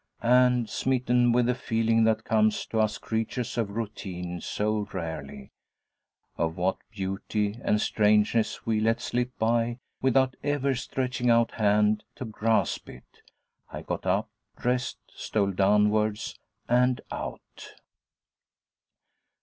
And, smitten with the feeling that comes to us creatures of routine so rarely, of what beauty and strangeness we let slip by without ever stretching out hand to grasp it, I got up, dressed, stole downstairs, and out.